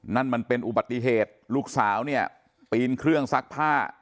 นั่นมันเป็นอุบัติเหตุลูกสาวเนี่ยปีนเครื่องซักผ้า